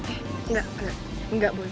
eh enggak enggak boleh